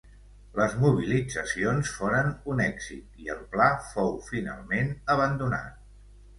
Les mobilitzacions foren un èxit i el pla fou finalment abandonat.